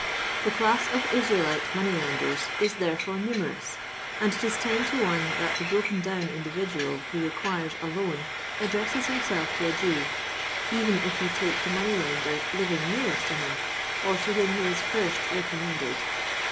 The class of Israelite money lenders is, therefore, numerous; and it is ten to one that the broken down individual, who requires a loan, addresses himself to a Jew—even if he take the money lender living nearest to him, or to whom he is first recommended.